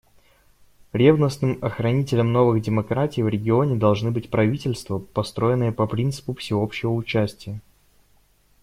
Ревностным охранителем новых демократий в регионе должны быть правительства, построенные по принципу всеобщего участия.